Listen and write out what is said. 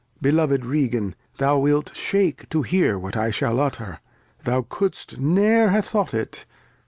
Beloved Regan, thou wilt shake to hear What I shall utter : Thou cou'd'st ne'er h'thought it.